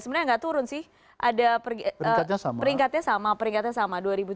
sebenarnya nggak turun sih ada peringkatnya sama